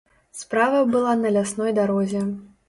Справа была на лясной дарозе.